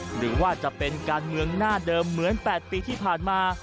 หรือว่าจะเป็นการเมืองหน้าเดิมเหมือน๘ปีที่ผ่านมา